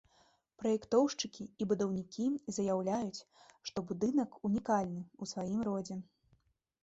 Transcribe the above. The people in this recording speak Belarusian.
Праектоўшчыкі і будаўнікі заяўляюць, што будынак унікальны ў сваім родзе.